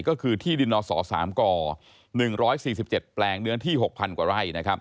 ก็คือที่ดินนศ๓ก๑๔๗แปลงเนื้อที่๖๐๐กว่าไร่